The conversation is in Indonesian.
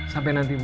sampai nanti bu